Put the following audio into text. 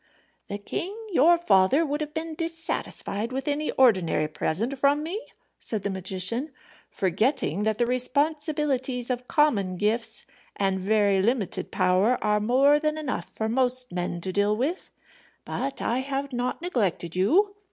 "The king, your father, would have been dissatisfied with any ordinary present from me," said the magician, "forgetting that the responsibilities of common gifts, and very limited power, are more than enough for most men to deal with. But I have not neglected you.